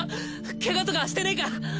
ケガとかしてねえか？